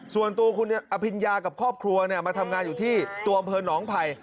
ส่วนตัวคุณอภิญญากับครอบครัวมาทำงานอยู่ที่ตัวอำเภอหนองไผ่